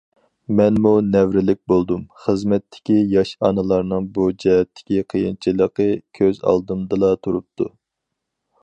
مەنمۇ نەۋرىلىك بولدۇم، خىزمەتتىكى ياش ئانىلارنىڭ بۇ جەھەتتىكى قىيىنچىلىقى كۆز ئالدىمدىلا تۇرۇپتۇ.